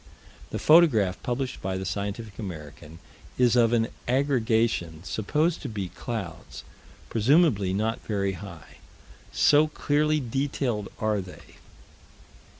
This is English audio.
The photograph published by the Scientific American is of an aggregation supposed to be clouds, presumably not very high, so clearly detailed are they.